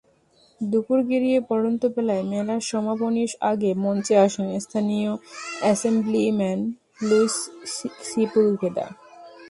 দুপুর গড়িয়ে পড়ন্তবেলায় মেলার সমাপনীর আগে মঞ্চে আসেন স্থানীয় অ্যাসেমব্লিম্যান লুইস সিপুলভেদা।